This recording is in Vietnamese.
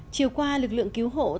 chiều qua lực lượng cứu hộ đã đặt tài liệu